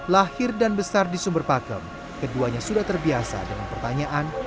lahir dan besar di sumber pakem keduanya sudah terbiasa dengan pertanyaan